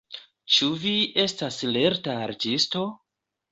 Ĉu vi estas lerta artisto?